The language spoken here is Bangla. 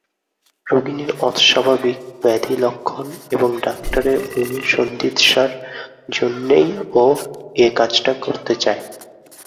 রোগিণীর অস্বাভাবিক ব্যাধি-লক্ষণ এবং ডাক্তারের অনুসন্ধিৎসার জন্যেই ও এ-কাজটা করতে চায়।